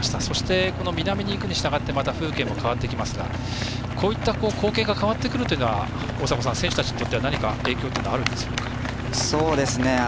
そして、南に行くにしたがって風景も変わってきますがこういった光景が変わってくるというのは選手たちにとって何か影響はあるんでしょうか。